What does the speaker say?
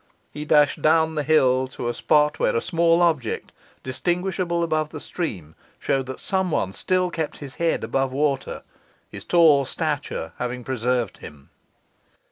he dashed down the hill to the spot where a small object, distinguishable above the stream, showed that some one still kept his head above water, his tall stature having preserved him.